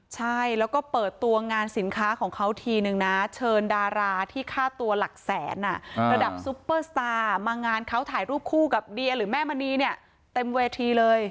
ใช่แล้วก็เปิดตัวงานสินค้าของเขาทีนึงนะเชิญดาราที่ค่าตัวหลักแสนระดับซุปเปอร์สตาร์มางานเขาถ่ายรูปคู่กับเดียหรือแม่มณีเนี่ยเต็มเวทีเลย